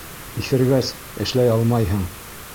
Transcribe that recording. Иҫергәс, эшләй алмайһың!